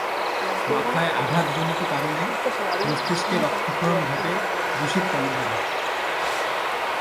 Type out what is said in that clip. মাথায় আঘাতজনিত কারণে মস্তিষ্কে রক্তক্ষরণ ঘটে রশীদ তালুকদারের।